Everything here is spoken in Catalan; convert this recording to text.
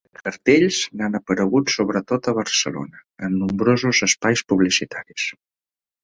De cartells, n’han apareguts sobretot a Barcelona, en nombrosos espais publicitaris.